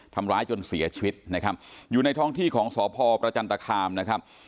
ทำร้ายจนเสียชีวิตนะครับอยู่ในท้องที่ของสพประจันตคามนะครับ